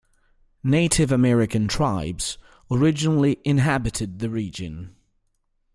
Native American tribes originally inhabited the region.